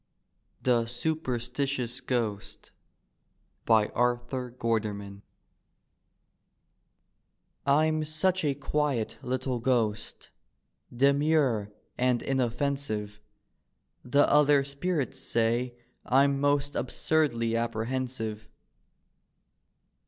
THE SUPERSTITIOUS GHOST : Arthur GUITSRMAN I'm such a quiet little ghost, Demure and inofEcnsive, The other spirits say I'm most Absurdly apprehensive.